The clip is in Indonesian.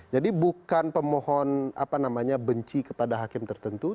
jadi bukan pemohon benci kepada hakim tertentu